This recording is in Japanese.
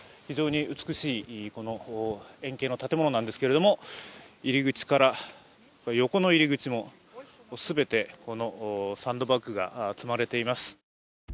非常に美しい円形の建物なんですけれども、入り口から横の入り口も、全てサンドバッグが積まれています。